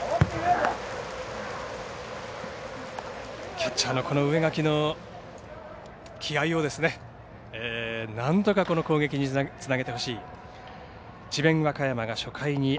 キャッチャーの植垣の気合いをなんとか攻撃につなげてほしい。